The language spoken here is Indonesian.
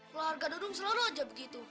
keluarga dulu selalu aja begitu